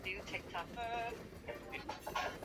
ya baba yake kufa mama yake naye alijiua